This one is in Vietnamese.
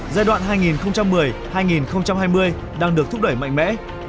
giai đoạn hai nghìn một mươi hai nghìn hai mươi đang được thúc đẩy mạnh mẽ